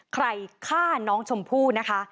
ใครฆ่าน้องชมพู่นะคะ